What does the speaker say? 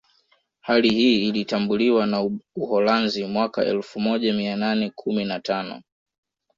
Hali hii ilitambuliwa na Uholanzi mwaka elfumoja mia nane kumi na tano